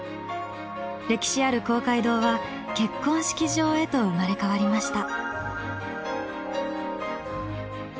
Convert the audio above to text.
歴史ある公会堂は結婚式場へと生まれ変わりました。